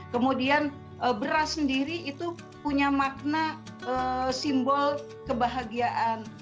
kemudian beras sendiri itu punya makna simbol kebahagiaan